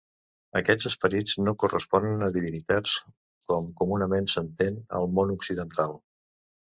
Aquests esperits no corresponen a divinitats, com comunament s'entén al món occidental.